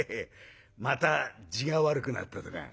また痔が悪くなったとか」。